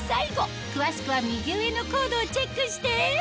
詳しくは右上のコードをチェックして！